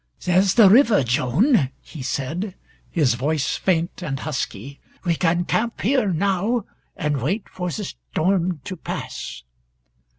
"There's the river, Joan," he said, his voice faint and husky. "We can camp here now and wait for the storm to pass."